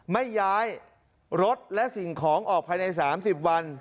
ไม่ย้ายรถและสิ่งของออกภายใน๓๐วัน